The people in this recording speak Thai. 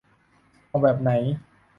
เอาแบบไหน ?